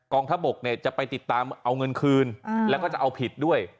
งทัพบกเนี่ยจะไปติดตามเอาเงินคืนแล้วก็จะเอาผิดด้วย